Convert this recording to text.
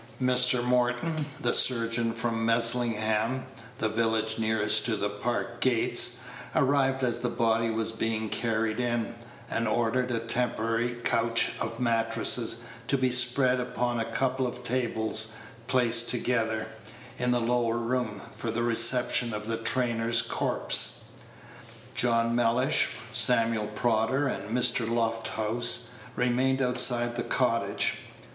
Mr. Morton, the surgeon from Meslingham, the village nearest to the Park gates, arrived as the body was being carried in, and ordered a temporary couch of mattresses to be spread upon a couple of tables placed together, in the lower room, for the reception of the trainer's corpse. John Mellish, Samuel Prodder, and Mr. Lofthouse remained outside of the cottage.